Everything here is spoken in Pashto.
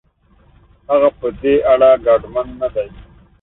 هغه په دې اړه ډاډمن نه دی.